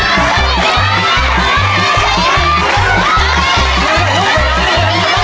หนูหนู